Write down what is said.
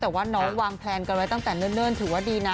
แต่ว่าน้องน้องวางแพลนตั้งแต่เนื่องถูกว่าดีนะ